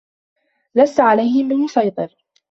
لَستَ عَلَيهِم بِمُصَيطِرٍ